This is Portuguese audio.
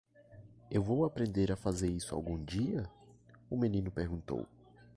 "Eu vou aprender a fazer isso algum dia??", O menino perguntou.